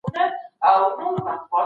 کمپيوټر درملنه ښيي.